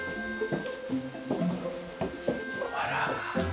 あら。